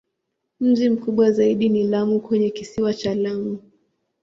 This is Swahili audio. Mji mkubwa zaidi ni Lamu kwenye Kisiwa cha Lamu.